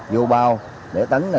vô bao để tấn